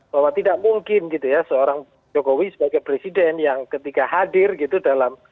bahwa tidak mungkin gitu ya seorang jokowi sebagai presiden yang ketika hadir gitu dalam